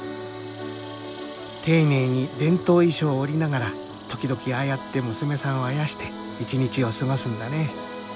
丁寧に伝統衣装を織りながら時々ああやって娘さんをあやして一日を過ごすんだね。